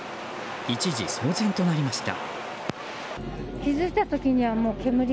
一時騒然となりました。